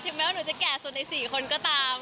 แม้ว่าหนูจะแก่สุดใน๔คนก็ตาม